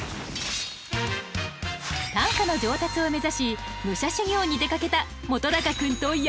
短歌の上達を目指し武者修行に出かけた本君と矢花君。